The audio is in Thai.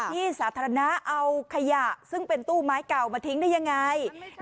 ที่สาธารณะเอาขยะซึ่งเป็นตู้ไม้เก่ามาทิ้งได้ยังไง